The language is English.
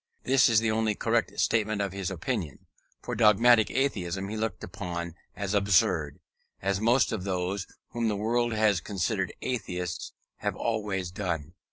This is the only correct statement of his opinion; for dogmatic atheism he looked upon as absurd; as most of those, whom the world has considered Atheists, have always done.